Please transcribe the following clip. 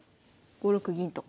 ５六銀と。